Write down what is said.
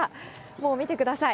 もう見てください。